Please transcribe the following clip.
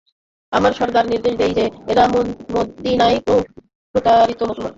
আমাদের সর্দার নির্দেশ দেয় যে, এরা মদীনার প্রতারিত মুসলমান।